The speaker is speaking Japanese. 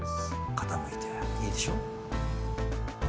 傾いていいでしょ？